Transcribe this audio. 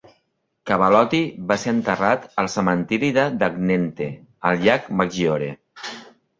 Cavallotti va ser enterrat al cementiri de Dagnente, al llac Maggiore.